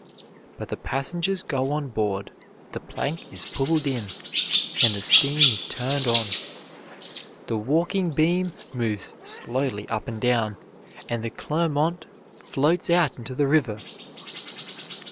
But the passengers go on board, the plank is pulled in, and the steam is turned on. The walking beam moves slowly up and down, and the Clermont floats out into the river.